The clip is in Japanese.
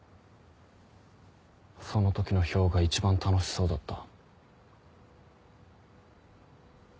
その時の漂が一番楽しそうだった。